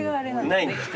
ない。